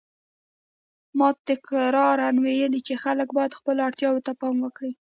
ما تکراراً ویلي چې خلک باید خپلو اړتیاوو ته پام وکړي.